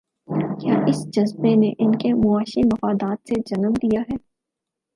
کیا اس جذبے نے ان کے معاشی مفادات سے جنم لیا ہے؟